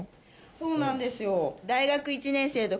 そうなんですよ。